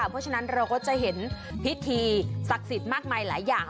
เพราะฉะนั้นเราก็จะเห็นพิธีศักดิ์สิทธิ์มากมายหลายอย่าง